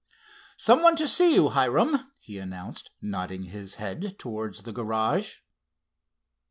"Some one to see you, Hiram," he announced, nodding his head towards the garage.